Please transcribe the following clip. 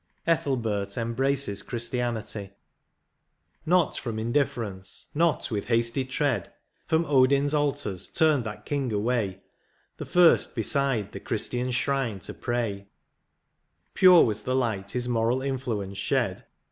31 XV. ETHELBERT EMBRACES CHRISTIANITY. Not from indifference, not with hasty tread, From Odin's altars turned that king away, The first beside the Christian shrine to pray; Pure was the light his moral influence shed.